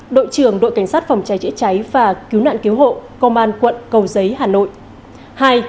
đội trưởng đội cảnh sát phòng cháy chữa cháy và cứu nạn cứu hộ công an quận cầu giấy hà nội